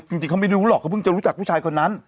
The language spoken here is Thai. จริงเขาไม่รู้หรอกเขาเพิ่งจะรู้จักผู้ชายคนนั้น